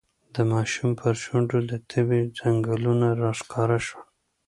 د ماشوم پر شونډو د تبې ځگونه راښکاره شول.